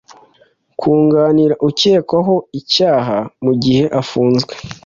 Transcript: Kunganira ukekwaho icyaha mu gihe afunzwe